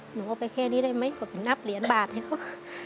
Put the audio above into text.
หนูเอาไปแค่นี้ได้ไหมก็นับเหรียญบาทให้เขา